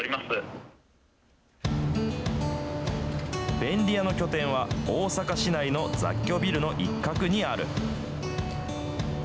便利屋の拠点は、大阪市内の雑居ビルの一角にある。